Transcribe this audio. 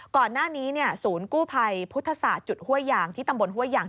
ก่อนหน้านี้ศูนย์กู้ภัยพุทธศาสตร์จุดห้วยยางที่ตำบลห้วยยาง